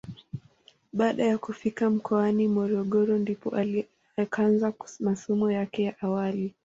Baada ya kufika mkoani Morogoro ndipo akaanza masomo yake ya awali.